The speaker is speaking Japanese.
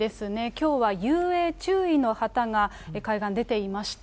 きょうは遊泳注意の旗が海岸、出ていました。